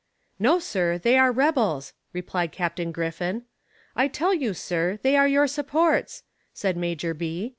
"No, sir, they are rebels," replied Capt. Griffin. "I tell you, sir, they are your supports," said Major B.